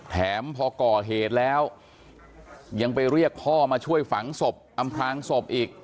แถมพอก่อเหตุแล้วยังไปเรียกพ่อมาช่วยฝังศพอำพลางศพอีก